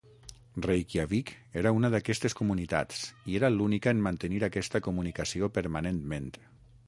Reykjavík era una d'aquestes comunitats i era l'única en mantenir aquesta comunicació permanentment.